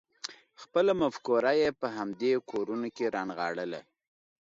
خپله مفکوره یې په همدې کورونو کې رانغاړله.